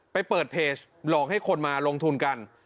ไปเปิดเพจหลอกให้คนมาลงทุนกัน